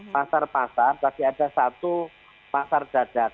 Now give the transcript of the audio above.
pasar pasar tapi ada satu pasar dadat